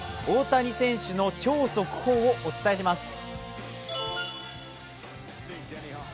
大谷選手の超速報をお伝えします。